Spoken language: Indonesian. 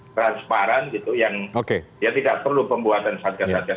transparan gitu yang ya tidak perlu pembuatan satgas satgas